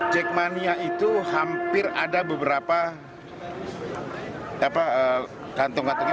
jackmania itu hampir ada beberapa kantong kantongnya